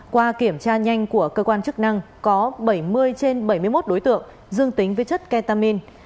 qua kiểm tra nhanh của cơ quan chức năng có bảy mươi trên bảy mươi một đối tượng dương tính với chất ketamin